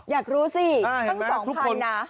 อยากรู้สิครั้งสองพันนะ